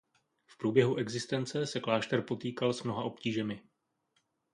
V průběhu existence se klášter potýkal s mnoha obtížemi.